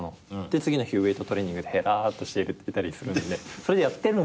次の日ウエートトレーニングでヘラっとしていたりするんでそれでやってるんすよ。